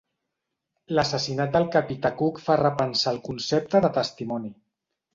L'assassinat del capità Cook fa repensar el concepte de testimoni.